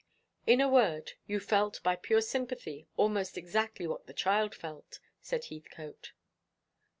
"In a word, you felt, by pure sympathy, almost exactly what the child felt," said Heathcote.